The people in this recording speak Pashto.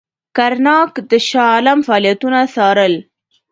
کرناک د شاه عالم فعالیتونه څارل.